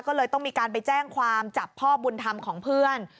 ก็เลยต้องมีการไปแจ้งความจับพ่อบุญธรรมของเพื่อน